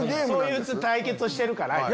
そういう対決をしてるから。